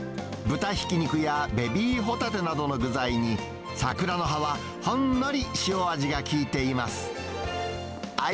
豚ひき肉やベビーホタテなどの具材に、桜の葉はほんのり塩味が効いています。